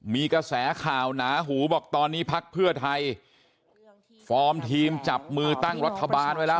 มีกระแสข่าวหนาหูบอกตอนนี้พักเพื่อไทยฟอร์มทีมจับมือตั้งรัฐบาลไว้แล้ว